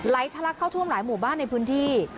ทะลักเข้าท่วมหลายหมู่บ้านในพื้นที่